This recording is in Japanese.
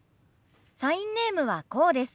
サインネームはこうです。